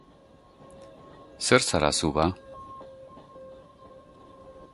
Zer zara zu ba?